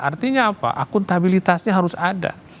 artinya apa akuntabilitasnya harus ada